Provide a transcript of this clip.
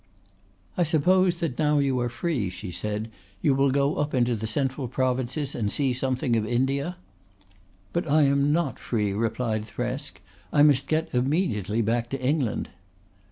"I suppose that now you are free," she said, "you will go up into the central Provinces and see something of India." "But I am not free," replied Thresk. "I must get immediately back to England."